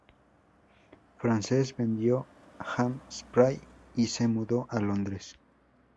Frances vendió Ham Spray y se mudó a Londres.